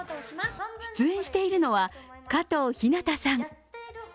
出演しているのは加藤ひなたさん。